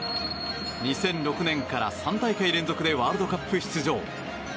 ２００６年から３大会連続でワールドカップ出場。